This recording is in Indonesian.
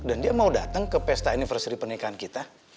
dan dia mau dateng ke pesta anniversary pernikahan kita